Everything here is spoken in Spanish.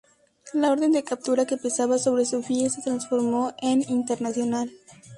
La orden de captura que pesaba sobre Sofía se transformó en internacional.